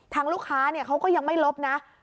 ทางลูกค้าเนี่ยเขาก็ยังไม่ลบนะ